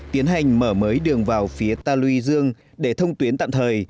tiến hành mở mới đường vào phía ta luy dương để thông tuyến tạm thời